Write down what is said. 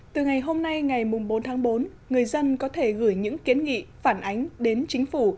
từ ngày hôm nay ngày bốn tháng bốn người dân có thể gửi những kiến nghị phản ánh đến chính phủ